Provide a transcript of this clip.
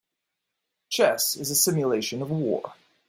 Chess is a simulation of war.